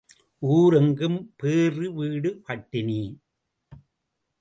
ஊர் எங்கும் பேறு வீடு பட்டினி.